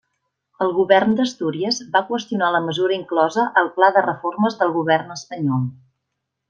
El Govern d'Astúries va qüestionar la mesura inclosa al Pla de Reformes del govern espanyol.